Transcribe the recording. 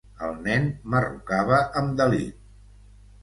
El nen marrucava amb delit.